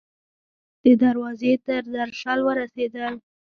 د دروازې تر درشل ورسیدل